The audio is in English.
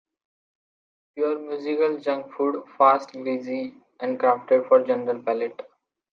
Pure musical junk food: fast, greasy, and crafted for a general palate.